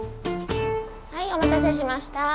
はいお待たせしました